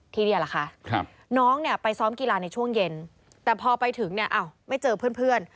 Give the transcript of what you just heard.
นี่แหละค่ะน้องเนี่ยไปซ้อมกีฬาในช่วงเย็นแต่พอไปถึงเนี่ยอ้าวไม่เจอเพื่อน